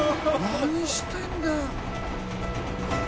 何してんだよ。